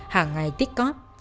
hàng ngày tích cóp